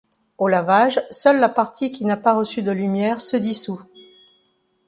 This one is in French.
Au lavage, seule la partie qui n'a pas reçu de lumière se dissout.